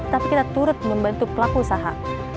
tapi kita turut membantu pelaku usaha